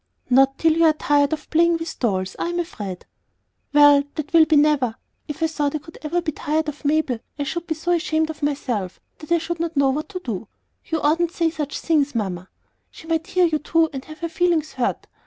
"Not till you are tired of playing with dolls, I am afraid." "Well, that will be never. If I thought I ever could be tired of Mabel, I should be so ashamed of myself that I should not know what to do. You oughtn't to say such things, Mamma; she might hear you, too, and have her feelings hurt.